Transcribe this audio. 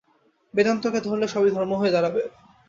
বেদান্তকে ধরলে সবই ধর্ম হয়ে দাঁড়াবে।